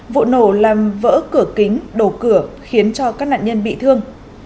vụ nổ làm vỡ cửa kính đổ cửa khiến cho các nạn nhân bị thương